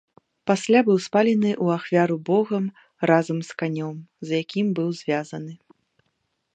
Пасля быў спалены ў ахвяру богам разам з канем, з якім быў звязаны.